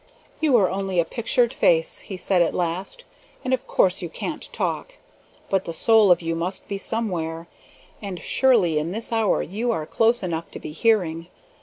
"You are only a pictured face," he said at last, "and of course you can't talk; but the soul of you must be somewhere, and surely in this hour you are close enough to be hearing.